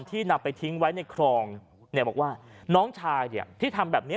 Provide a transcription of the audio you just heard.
ที่นับไปทิ้งไว้ในคลองบอกว่าน้องชายที่ทำแบบนี้